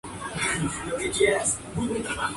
Su padre era un adicto de juego y empezó a entrar en deuda.